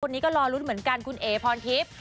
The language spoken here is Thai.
นี้ก็รอลุ้นเหมือนกันคุณเอ๋พรทิพย์